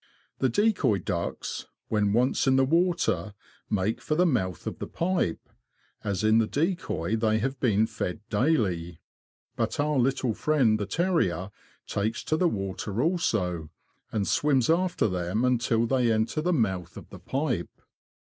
The decoy ducks, when once in the water, make for the mouth of the pipe, as in the decoy they have been fed daily ; but our little friend the terrier takes to the water also, and swims after them until they enter the mouth of. the pipe.